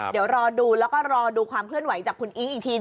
เดี๋ยวรอดูแล้วก็รอดูความเคลื่อนไหวจากคุณอิ๊งอีกที